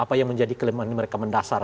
apa yang menjadi kelemahan ini mereka mendasar